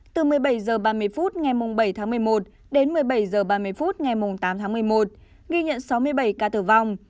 từ một mươi bảy h ba mươi phút ngày bảy tháng một mươi một đến một mươi bảy h ba mươi phút ngày tám tháng một mươi một ghi nhận sáu mươi bảy ca tử vong